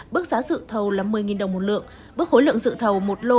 bức giá dự thầu là một mươi đồng một lượng bức khối lượng dự thầu một lô